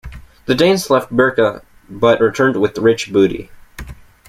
The Danes left Birka but returned with rich booty.